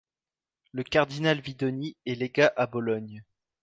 Le cardinal Vidoni est légat à Bologne.